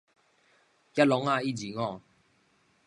野狼仔一二五